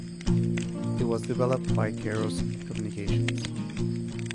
It was developed by Kairos Communications.